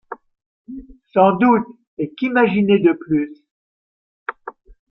Sans doute, et qu’imaginer de plus?...